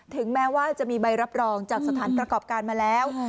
ถึงแม้ว่าจะมีใบรับรองจากสถานประกอบการมาแล้ว